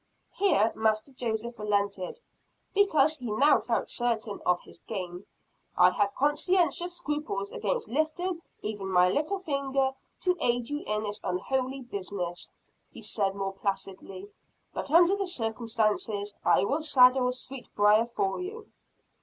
Here Master Joseph relented because he now felt certain of his game. "I have conscientious scruples against lifting even my little finger to aid you in this unholy business," he said more placidly, "but under the circumstances, I will saddle Sweetbriar for you."